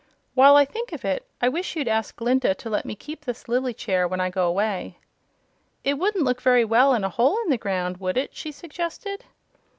While I think of it, I wish you'd ask Glinda to let me keep this lily chair when I go away." "It wouldn't look very well in a hole in the ground, would it?" she suggested.